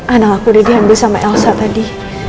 anak aku udah diambil sama elsa tadi